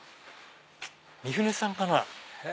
三船さんかな。